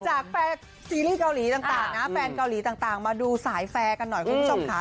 จากแฟนซีรีส์เกาหลีต่างนะแฟนเกาหลีต่างมาดูสายแฟร์กันหน่อยคุณผู้ชมค่ะ